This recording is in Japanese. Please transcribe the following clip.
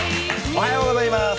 おはようございます。